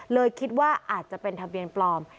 เลยคิดว่าอาจจะเป็นทะเบียนปลอม